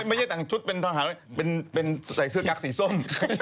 ไม่ใช่ตังค์ชุดเป็นทศใส่เสื้อกราค์สีส้ม